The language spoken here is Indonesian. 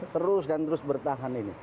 terus dan terus bertahan ini